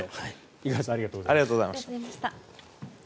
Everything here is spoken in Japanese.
五十嵐さんありがとうございました。